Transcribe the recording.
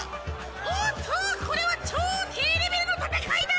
おっとこれは超低レベルの戦いだ！